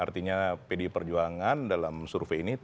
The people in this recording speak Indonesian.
artinya pdi perjuangan dalam survei ini